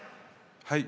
はい。